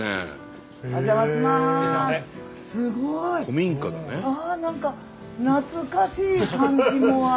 すごい！何か懐かしい感じもあり。